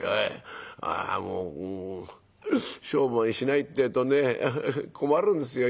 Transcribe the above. あもう商売しないってえとね困るんですよ。